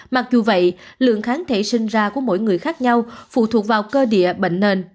mặc dù vậy lượng kháng thể sinh ra của mỗi người khác nhau phụ thuộc vào cơ địa bệnh nền